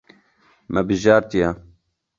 Me bijartiye.